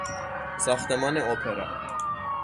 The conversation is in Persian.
ساختمان اپرا